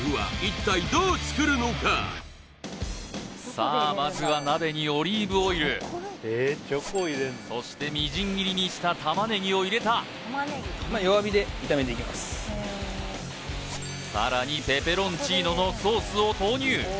さあまずは鍋にオリーブオイルそしてみじん切りにした玉ねぎを入れたさらにペペロンチーノのソースを投入